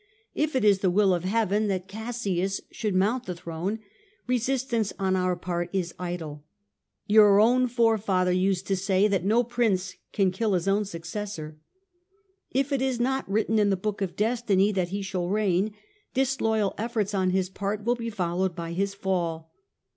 If it is the will of heaven that Cassius should mount the throne, resistance on our part is idle. Your own forefather used to say that no prince can kill his own successor. If it is not written in the book of destiny that he shall reign, disloyal efforts on his part will be followed by his fall.